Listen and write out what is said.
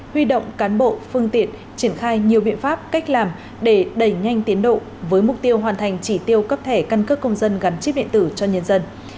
huy động cán bộ phương tiện triển khai nhiều biện pháp cách làm để đẩy nhanh tiến độ với mục tiêu hoàn thành chỉ tiêu cấp thẻ căn cước công dân gắn chip điện tử cho nhân dân